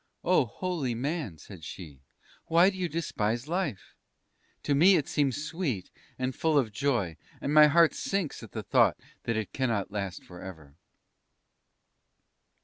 "Oh, Holy Man," said she: "why do you despise life? To me it seems sweet and full of joy, and my heart sinks at the thought that it cannot last forever!"...